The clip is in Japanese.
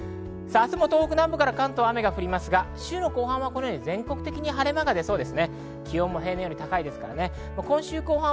明日も東北南部から関東は雨が降りますが、週の後半は全国的に晴れ間が出そうです。